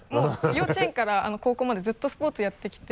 幼稚園から高校までずっとスポーツやってきて。